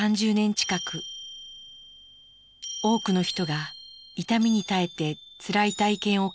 多くの人が痛みに耐えてつらい体験を語り残してくれました。